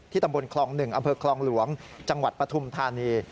ตำบลคลอง๑อำเภอคลองหลวงจังหวัดปฐุมธานี